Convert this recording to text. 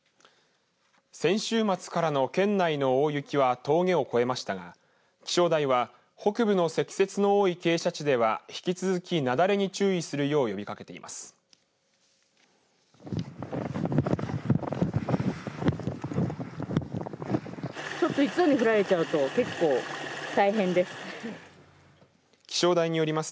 先週末からの県内の大雪は峠を越えましたが、気象台は北部の積雪の多い傾斜地では引き続き、なだれに注意するよう呼びかけています。